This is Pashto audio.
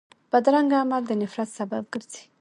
بدرنګه عمل د نفرت سبب ګرځي